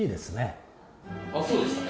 あっそうですか。